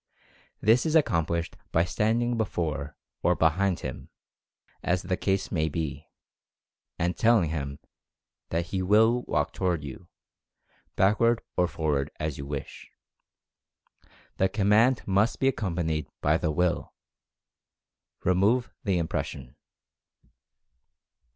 This is accomplished by standing before, or behind him, as the case may be, and telling him that he WILL walk toward you, back ward or forward as you wish. The command must be made accompanied by the WILL. Remove the impression.